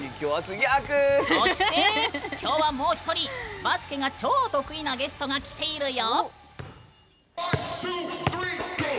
そして、きょうは、もう一人バスケが超得意なゲストが来ているよ！